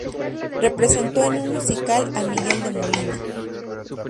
Representó en un musical a Miguel de Molina.